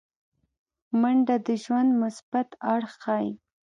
منډه د ژوند مثبت اړخ ښيي